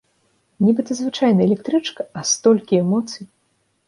Нібыта звычайная электрычка, а столькі эмоцый!